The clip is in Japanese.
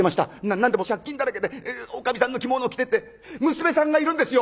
何でも借金だらけでおかみさんの着物を着てて娘さんがいるんですよ。